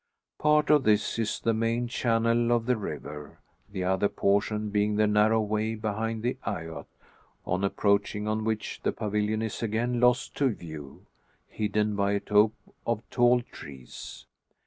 Part of this is the main channel of the river, the other portion being the narrow way behind the eyot; on approaching which the pavilion is again lost to view, hidden by a tope of tall trees.